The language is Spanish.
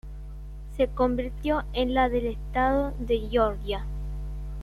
Se convirtió en la del estado de Georgia.